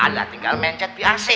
nah tinggal mencet biar sih